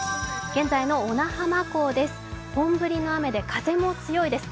現在の小名浜港です。